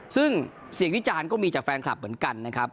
ซึ่งเสียงวิจารณ์ก็มีจากแฟนคลับเหมือนกันนะครับ